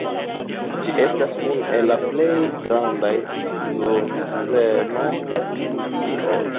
Ĝi estas unu el la plej grandaj luzerno-papilioj.